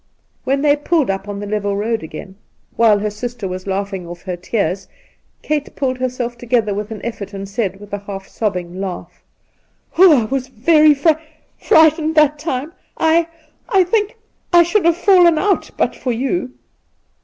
When they pulled ^p on the level road again, while her sister was laughing off her tears, Kate pulled herself together with an effort, and said, with a half sobbing laugh : 'I was very fri — frightened that time. I — I think I should have fallen out but for you.'